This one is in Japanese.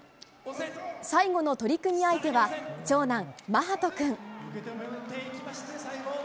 最後の取組相手は、長男、眞羽人君。